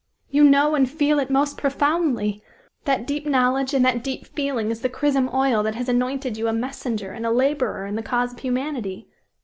"You know and feel it most profoundly! That deep knowledge and that deep feeling is the chrism oil that has anointed you a messenger and a laborer in the cause of humanity.